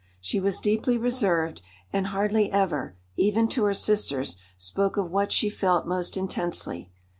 She was deeply reserved, and hardly ever, even to her sisters, spoke of what she felt most intensely.